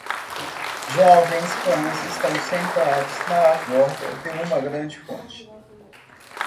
Jovens fãs estão sentados na borda de uma grande fonte.